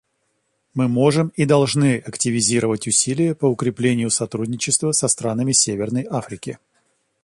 Мы можем и должны активизировать усилия по укреплению сотрудничества со странами Северной Африки.